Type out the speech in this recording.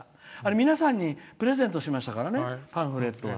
皆さんにプレゼントしましたからね、パンフレットは。